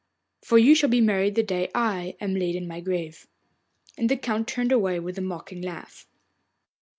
For you shall be married the day that I am laid in my grave.' And the Count turned away with a mocking laugh.